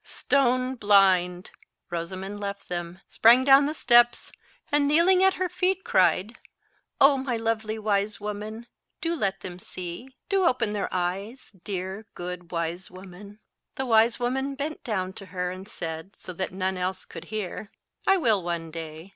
Stone blind!" Rosamond left them, sprang down the steps, and kneeling at her feet, cried, "Oh, my lovely wise woman! do let them see. Do open their eyes, dear, good, wise woman." The wise woman bent down to her, and said, so that none else could hear, "I will one day.